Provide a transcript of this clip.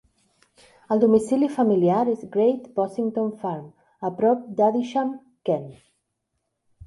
El domicili familiar és Great Bossington Farm, a prop d'Adisham, Kent.